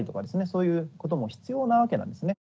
そういうことも必要なわけなんですね。